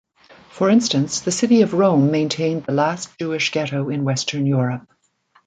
For instance, the city of Rome maintained the last Jewish ghetto in Western Europe.